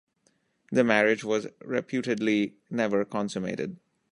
The marriage was reputedly never consummated.